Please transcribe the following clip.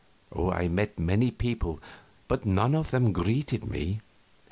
I met many people, but none of them greeted me.